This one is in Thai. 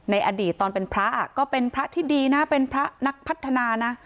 อดีตตอนเป็นพระก็เป็นพระที่ดีนะเป็นพระนักพัฒนานะ